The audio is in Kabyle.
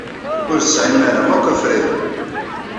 Ur tesɛim ara akk afrayen.